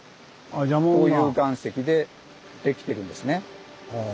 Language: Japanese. という岩石でできてるんですね。